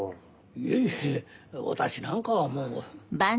いえいえ私なんかはもう。